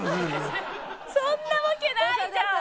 そんなわけないんじゃん！